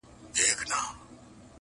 بوی د اصیل ګلاب په کار دی-